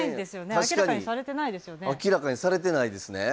確かに明らかにされてないですね。